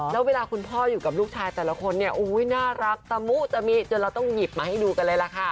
แล้วหาลูกชายอยู่กับลูกชายเจ้าฟังมากจะมีจนเราต้องหยิบมาให้ดูกันเลย